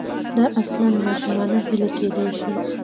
دا اصلاً ماشومانه هیله کېدای شي.